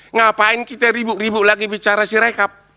ngapain kita ribuk ribu lagi bicara sirekap